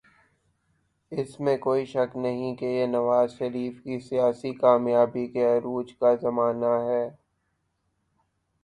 اس میں کوئی شک نہیں کہ یہ نواز شریف کی سیاسی کامیابی کے عروج کا زمانہ ہے۔